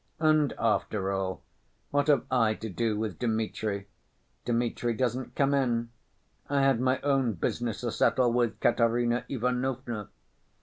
And after all, what have I to do with Dmitri? Dmitri doesn't come in. I had my own business to settle with Katerina Ivanovna.